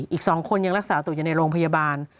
อีก๒คนยังรักษาตัวอยู่ในโรงพยาบาล